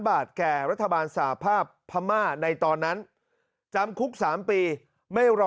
บาทแก่รัฐบาลสาภาพพม่าในตอนนั้นจำคุก๓ปีไม่รอ